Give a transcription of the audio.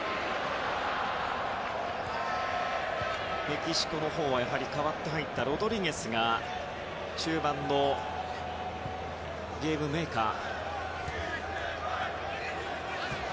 メキシコは代わって入ったロドリゲスが中盤のゲームメーカー。